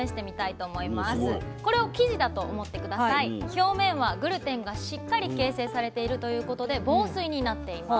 表面はグルテンがしっかり形成されているということで防水になっています。